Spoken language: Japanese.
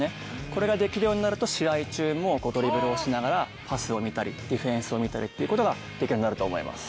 これができるようになると試合中もドリブルをしながらパスを見たりディフェンスを見たりできるようになると思います。